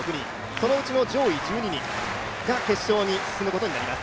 そのうちの上位１２人が決勝に進むことになります。